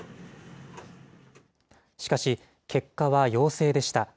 しかし、結果は陽性でした。